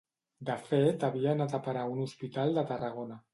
De fet havia anat a parar a un hospital de Tarragona